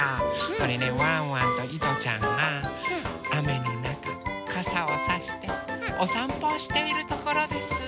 これねワンワンといとちゃんがあめのなかかさをさしておさんぽをしているところです。